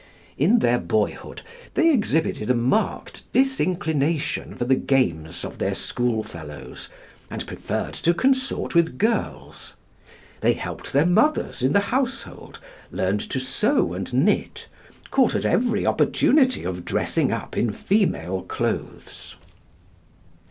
In their boyhood they exhibited a marked disinclination for the games of their school fellows, and preferred to consort with girls. They helped their mothers in the household, learned to sew and knit, caught at every opportunity of dressing up in female clothes.